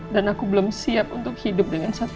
dan aku belum siap untuk hidup dengan satu ginjal